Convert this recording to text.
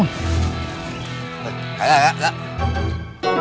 enggak enggak enggak